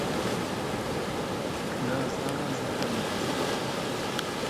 گەڵای مێوی ڕەز سوورە و لە هەناران هاڵاوە